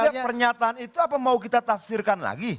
nah pernyataan itu apa mau kita tafsirkan lagi